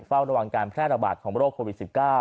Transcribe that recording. เฝ้าระวังการแพร่ระบาดของโรคโควิด๑๙